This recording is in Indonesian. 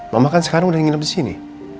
mama kan sekarang udah nginep di sini